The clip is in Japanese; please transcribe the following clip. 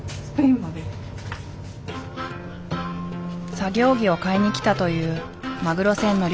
作業着を買いに来たというマグロ船の漁師。